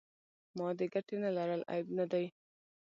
مادې ګټې نه لرل عیب نه دی.